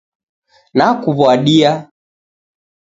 Nakuwadia